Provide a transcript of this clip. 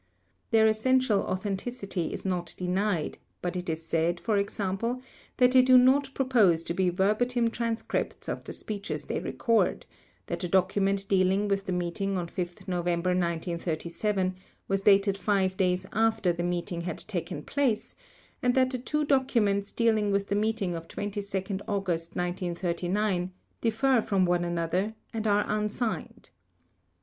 Their essential authenticity is not denied, but it is said, for example, that they do not propose to be verbatim transcripts of the speeches they record, that the document dealing with the meeting on 5 November 1937, was dated five days after the meeting had taken place, and that the two documents dealing with the meeting of 22 August 1939 differ from one another, and are unsigned.